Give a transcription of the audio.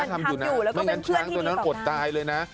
ทำอยู่นะไม่งั้นช้างตัวนั้นอดตายเลยนะ